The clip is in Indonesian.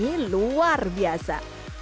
yang luar biasa